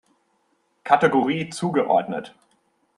Kategorie zugeordnet.